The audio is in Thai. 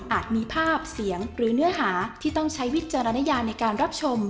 มีภาพเสียงหรือเนื้อหาที่ต้องใช้วิจารณญาในการรับชม